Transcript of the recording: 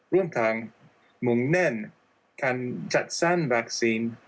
ร่วมทางมุ่งแน่นการจัดสร้างรากซีน